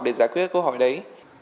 để giải quyết câu hỏi đấy